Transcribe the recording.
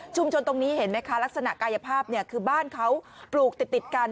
ตรงนี้เห็นไหมคะลักษณะกายภาพคือบ้านเขาปลูกติดกัน